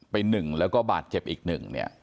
ไปหนึ่งและบาดเจ็บอีกหนึ่ง